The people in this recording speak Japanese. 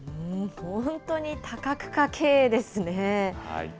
本当に多角化経営ですね。